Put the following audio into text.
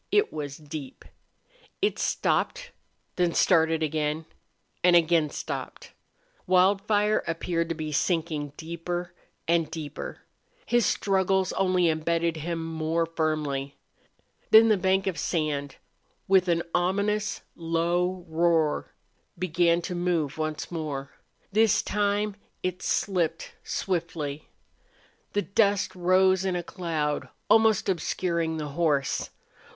It was deep. It stopped then started again and again stopped. Wildfire appeared to be sinking deeper and deeper. His struggles only embedded him more firmly. Then the bank of sand, with an ominous, low roar, began to move once more. This time it slipped swiftly. The dust rose in a cloud, almost obscuring the horse.